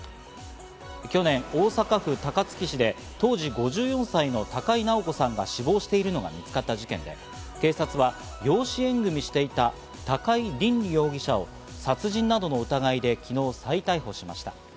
去年、大阪府高槻市で当時５４歳の高井直子さんが死亡しているのが見つかった事件で、警察は養子縁組していた高井凜容疑者を殺人などの疑いで昨日、再逮捕しました。